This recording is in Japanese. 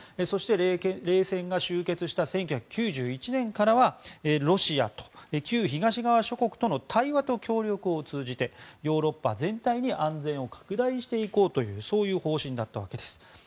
そして、冷戦が終結した１９９１年からはロシア、旧東側諸国との対話と協力を通じてヨーロッパ全体に安全を拡大していこうというそういう方針だったわけです。